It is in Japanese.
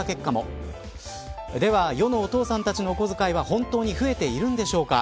これは、世のお父さんたちの小遣いは本当に増えているんでしょうか。